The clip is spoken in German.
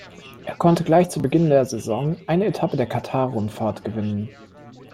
Er konnte gleich zu Beginn der Saison eine Etappe der Katar-Rundfahrt gewinnen.